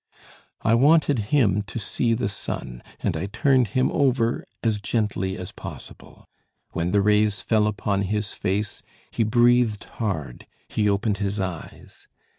I wanted him to see the sun, and I turned him over as gently as possible. When the rays fell upon his face, he breathed hard; he opened his eyes.